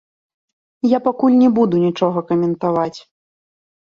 Я пакуль не буду нічога каментаваць.